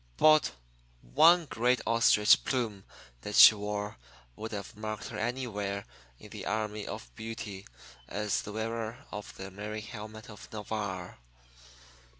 But one great ostrich plume that she wore would have marked her anywhere in the army of beauty as the wearer of the merry helmet of Navarre.